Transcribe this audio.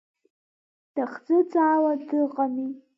Дахӡыӡаауа дыҟами.